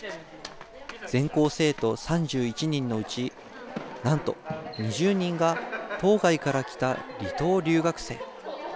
全校生徒３１人のうち、なんと２０人が、島外から来た離島留学生。